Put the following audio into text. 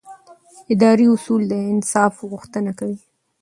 اداري اصول د انصاف غوښتنه کوي.